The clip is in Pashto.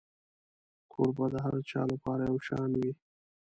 کوربه د هر چا لپاره یو شان وي.